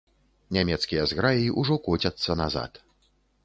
Нямецкія зграі ўжо коцяцца назад.